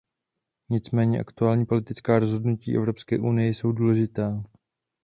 Nicméně, aktuální politická rozhodnutí Evropské unie jsou důležitá.